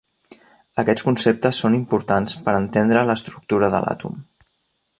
Aquests conceptes són importants per entendre l'estructura de l'àtom.